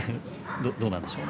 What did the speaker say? どうなんでしょう？